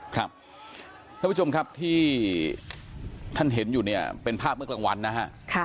ท่านผู้ชมครับที่ท่านเห็นอยู่เนี่ยเป็นภาพเมื่อกลางวันนะฮะ